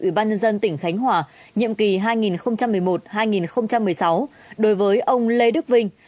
ủy ban nhân dân tỉnh khánh hòa nhiệm kỳ hai nghìn một mươi một hai nghìn một mươi sáu đối với ông lê đức vinh